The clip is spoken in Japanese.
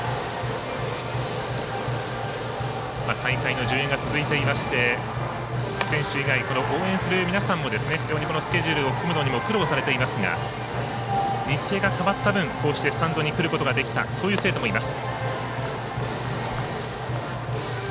大会の順延が続いていまして選手以外、応援する皆さんもスケジュールを組むのに苦労されていますが日程が変わった分こうしてスタンドに来ることができた生徒もいます。